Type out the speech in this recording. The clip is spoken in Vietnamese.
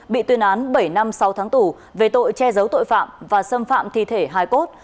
bị tuyên án bảy năm sáu tháng tù về tội che giấu tội phạm và xâm phạm thi thể hai cốt